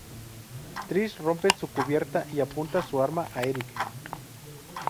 Tris rompe su cubierta y apunta su arma a Eric.